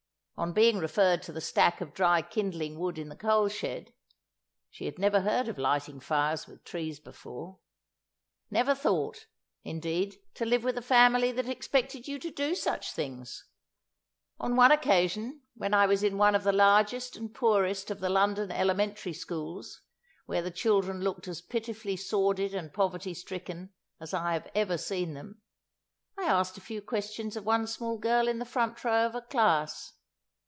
On being referred to the stack of dry kindling wood in the coal shed—she had never heard of lighting fires with trees before; never thought, indeed, to live with a family that expected you to do such things! On one occasion, when I was in one of the largest and poorest of the London Elementary Schools, where the children looked as pitifully sordid and poverty stricken as I have ever seen them, I asked a few questions of one small girl in the front row of a class.